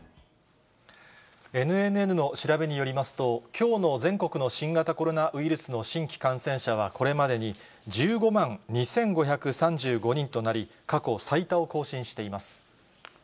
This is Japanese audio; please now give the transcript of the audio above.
ＮＮＮの調べによりますと、きょうの全国の新型コロナウイルスの新規感染者はこれまでに１５万２５３５人となり、過去最多を更新しています。